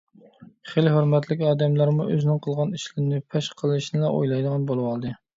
خېلى ھۆرمەتلىك ئادەملەرمۇ ئۆزىنىڭ قىلغان ئىشلىرىنى پەش قىلىشنىلا ئويلايدىغان بولۇۋالدى.